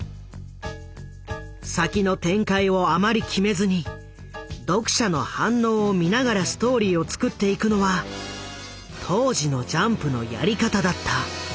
先の展開をあまり決めずに読者の反応を見ながらストーリーを作っていくのは当時のジャンプのやり方だった。